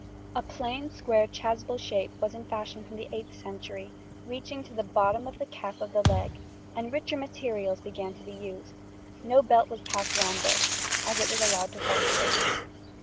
] A plain square chasuble shape was in fashion from the 8th century, reaching to the bottom of the calf of the leg, and richer materials began to be used; no belt was passed round this, as it was allowed to fall straight.